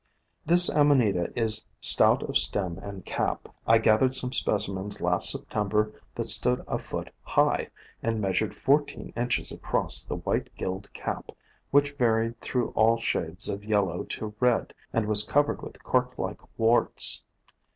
This Amanita is stout of stem and cap. I gath ered some specimens last September that stood a foot high, and measured fourteen inches across the white gilled cap which varied through all shades of yellow to red and was covered with corklike warts.